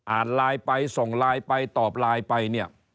อ่านไลน์ไปส่งไลน์ไปตอบไลน์ไปเนี่ย